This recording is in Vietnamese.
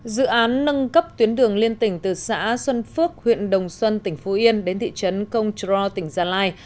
dự án nâng cấp tuyến đường liên tỉnh từ xã xuân phước huyện đồng xuân tỉnh phú yên đến thị trấn công trro tỉnh gia lai